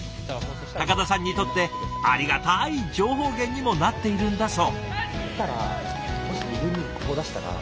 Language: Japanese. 高田さんにとってありがたい情報源にもなっているんだそう。